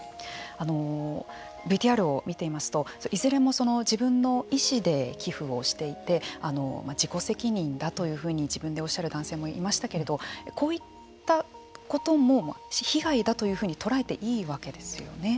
ＶＴＲを見ていますといずれも自分の意思で寄付をしていて自己責任だというふうに自分でおっしゃる男性もいましたけれどもこういったことも被害だというふうに捉えていいわけですよね。